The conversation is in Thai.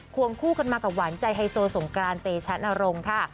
วงคู่กันมากับหวานใจไฮโซสงกรานเตชะนรงค์ค่ะ